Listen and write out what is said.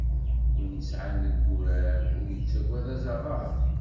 Win yesεan deg d urar ur yettagad azaɣaṛ